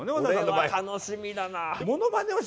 これは楽しみだな。